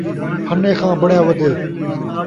پھنے خاں بݨیا ودے